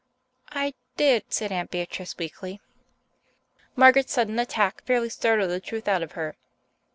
"I did," said Aunt Beatrice weakly. Margaret's sudden attack fairly startled the truth out of her.